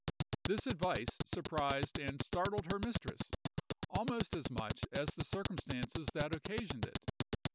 "This advice surprised and startled her mistress almost as much as the circumstances that occasioned it.